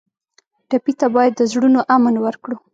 ټپي ته باید د زړونو امن ورکړو.